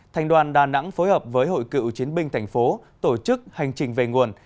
thành đoàn đà nẵng phối hợp với hội cựu chiến binh thành phố tổ chức hành trình về nguồn